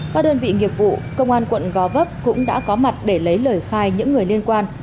các đơn vị nghiệp vụ công an quận gò vấp cũng đã có mặt để lấy lời khai những người liên quan